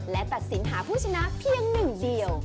และตัดสินหาผู้ชนะเพียงหนึ่งเดียว